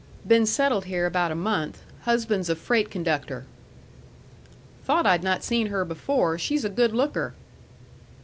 "Been settled here about a month. Husband's a freight conductor." "Thought I'd not seen her before. She's a good looker."